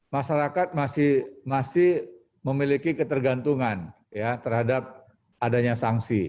masyarakat masih memiliki ketergantungan terhadap adanya sanksi